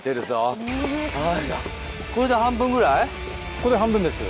ここで半分です。